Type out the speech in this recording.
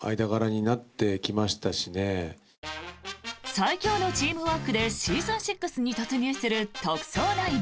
最強のチームワークでシーズン６に突入する「特捜９」。